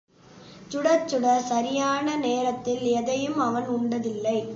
சுடச் சுடச் சரியான நேரத்தில் எதையும் அவன் உண்டதில்லை.